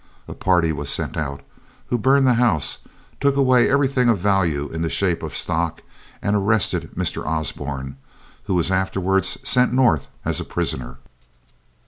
A party was sent out, who burned the house, took away everything of value in the shape of stock, and arrested Mr. Osborne, who was afterwards sent North as a prisoner.